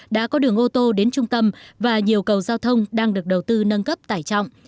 đã có đường ô tô đến trung tâm và nhiều cầu giao thông đang được đầu tư nâng cấp tải trọng